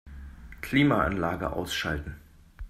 Klimaanlage ausschalten.